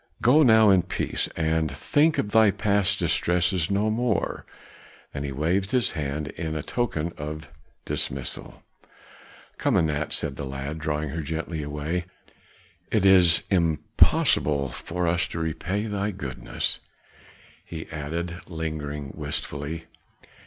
Go now in peace, and think of thy past distresses no more," and he waved his hand in token of dismissal. "Come, Anat," said the lad, drawing her gently away. "It is impossible for us to repay thee thy goodness," he added, lingering wistfully.